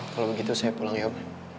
kalau begitu saya pulang ya pak